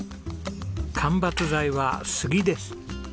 間伐材は杉です。